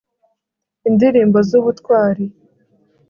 indirimbo z'ubutwari